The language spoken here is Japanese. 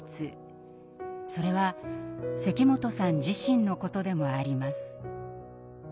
それは関本さん自身のことでもあります。